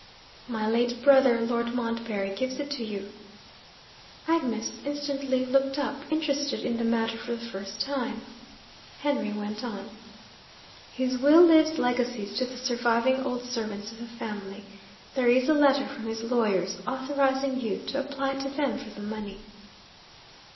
'My late brother, Lord Montbarry, gives it to you.' (Agnes instantly looked up, interested in the matter for the first time. Henry went on.) 'His will leaves legacies to the surviving old servants of the family. There is a letter from his lawyers, authorising you to apply to them for the money.'